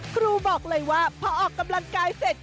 ครูบอกเลยว่าพอออกกำลังกายเสร็จ